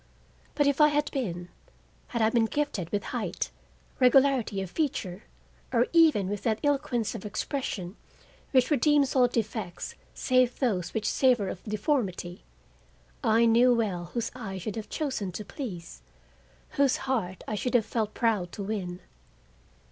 But if I had been; had I been gifted with height, regularity of feature, or even with that eloquence of expression which redeems all defects save those which savor of deformity, I knew well whose eye I should have chosen to please, whose heart I should have felt proud to win.